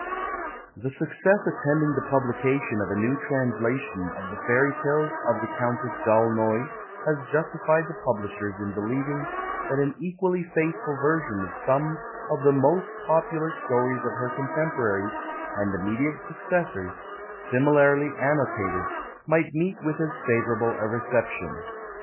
The success attending the publication of a new translation of the Fairy Tales of the Countess d'Aulnoy has justified the publishers in believing that an equally faithful version of some of the most popular stories of her contemporaries and immediate successors, similarly annotated, might meet with as favourable a reception.